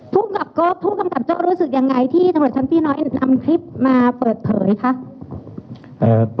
พูดกับเจ้ารู้สึกยังไงที่ฐปิน้อยนำคลิปมาเปิดเผยคะ